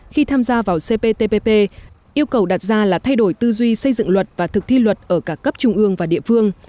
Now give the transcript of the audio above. khi tham gia vào cptpp yêu cầu đặt ra là thay đổi tư duy xây dựng luật và thực thi luật ở cả cấp trung ương và địa phương